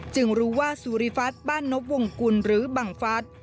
รู้ว่าสุริฟัฐบ้านนบวงกุลหรือบังฟัส